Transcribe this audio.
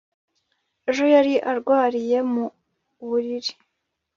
ejo yari arwariye mu buriri